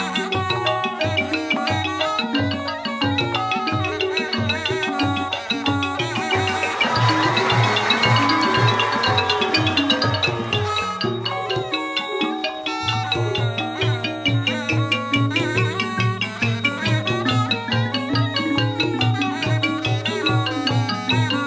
สวัสดีครับ